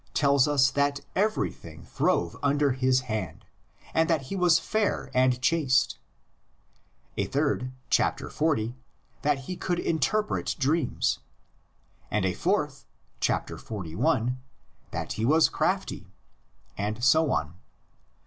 tells us that everything throve under his hand, and that he was fair and chaste; a third (xl.) that he could interpret dreams; and a fourth (xli.) that he was crafty; and so on.